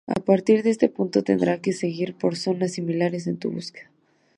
A partir de ese punto tendrá que seguir por zonas similares en tu búsqueda.